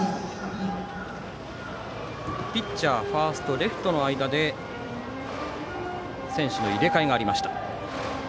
ピッチャー、ファーストレフトの間で選手の入れ替えがありました。